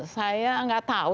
saya nggak tahu